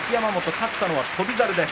勝ったのは翔猿です。